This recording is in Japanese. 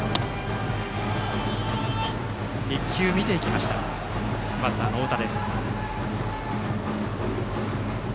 １球見ていきましたバッターの太田。